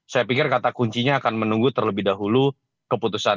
saya pikir kata kuncinya akan menunggu terlebih dahulu keputusan